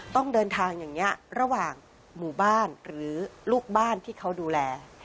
ต้องเดินทางอย่างนี้ระหว่างหมู่บ้านหรือลูกบ้านที่เขาดูแล